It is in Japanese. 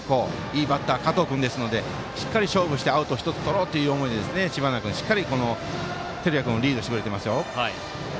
いいバッター加藤君ですのでしっかり勝負してアウトを１つとろうという形で照屋君をリードしてくれています。